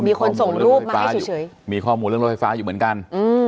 มีคนส่งรูปมาให้เฉยมีข้อมูลเรื่องรถไฟฟ้าอยู่เหมือนกันอืม